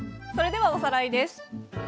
それではおさらいです。